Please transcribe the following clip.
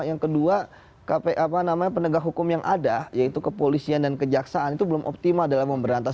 yang kedua penegak hukum yang ada yaitu kepolisian dan kejaksaan itu belum optimal dalam memberantas